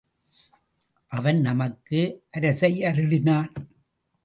அவன் நமக்கு அரசை அருளினான்.